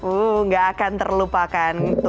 uh nggak akan terlupakan